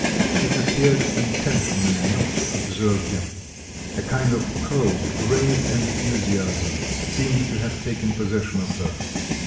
She appeared intentionally not to observe him; a kind of cold, grave enthusiasm seemed to have taken possession of her.